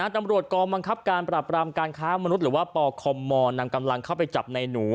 ตำรวจกองบังคับการปราบรามการค้ามนุษย์หรือว่าปคมนำกำลังเข้าไปจับในหนู